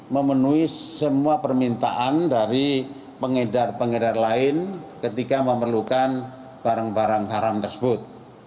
memenuhi semua permintaan dari pengedar pengedar lain ketika memerlukan barang barang haram tersebut